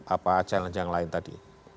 apa challenge yang lain tadi